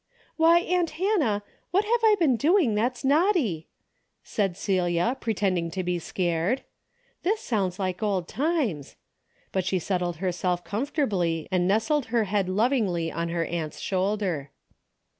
" Why, aunt Hannah, what have I been do 214 'A DAILY RATEy ing that's naughty ?" asked Celia, pretending to be scared. '' This sounds like old times," but she settled herself comfortably and nestled her head lovingly on her aunt's shoulder.